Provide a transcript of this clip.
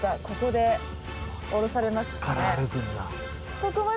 ここで降ろされますね。